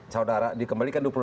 saudara dikembalikan dua puluh enam